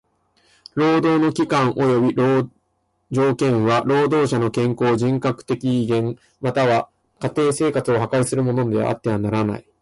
労働の期間および条件は労働者の健康、人格的威厳または家庭生活を破壊するものであってはならない。